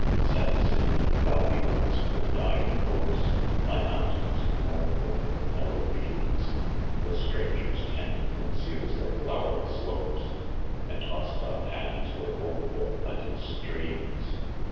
Sad city, thou hehold'st with dying hopes Thy mountains mournful in the mellow beams, The stranger's tent conceals their flowery slopes, And hostile hands withhold their plenteous streams